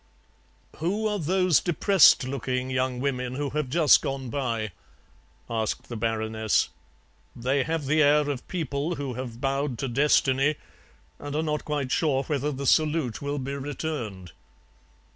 "Who are those depressed looking young women who have just gone by?" asked the Baroness; "they have the air of people who have bowed to destiny and are not quite sure whether the salute will be returned."